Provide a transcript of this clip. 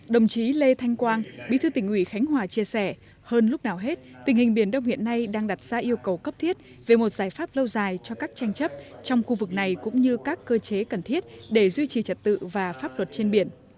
đồng chí lê thanh quang bí thư tỉnh ủy khánh hòa chia sẻ hơn lúc nào hết tình hình biển đông hiện nay đang đặt ra yêu cầu cấp thiết về một giải pháp lâu dài cho các tranh chấp trong khu vực này cũng như các cơ chế cần thiết để duy trì trật tự và pháp luật trên biển